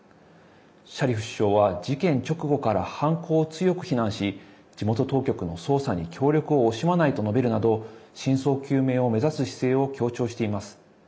シャリフ首相は事件直後から犯行を強く非難し地元当局の捜査に協力を惜しまないと述べるなど真相究明を目指す姿勢を強調しています。